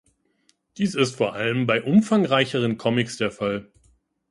Dies ist vor allem bei umfangreicheren Comics der Fall.